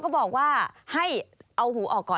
เขาบอกว่าให้เอาหูออกก่อน